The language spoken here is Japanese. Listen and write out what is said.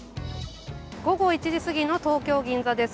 午後１時すぎの東京・銀座です。